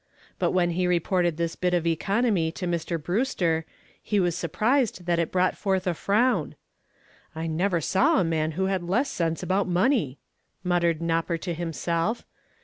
But when he reported this bit of economy to Mr. Brewster he was surprised that it brought forth a frown. "I never saw a man who had less sense about money," muttered "Nopper" to himself.